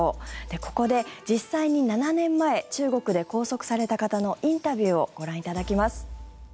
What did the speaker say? ここで、実際に７年前中国で拘束された方のインタビューをご覧いただきます。